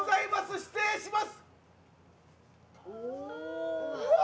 失礼します！